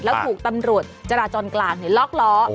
แล้วถูกตำรวจจราจรกลางเนี่ยล๊อคล้อ